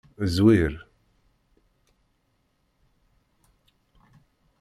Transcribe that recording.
Zzwir.